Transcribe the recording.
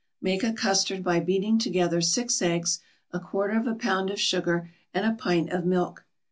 Make a custard by beating together six eggs, a quarter of a pound of sugar and a pint of milk.